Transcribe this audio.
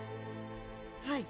はい。